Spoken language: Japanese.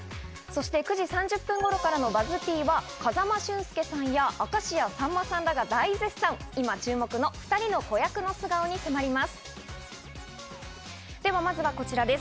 ９時３０分頃からのＢＵＺＺ−Ｐは風間俊介さんや明石家さんまさんらが大絶賛、今注目の２人の子役の素顔に迫ります。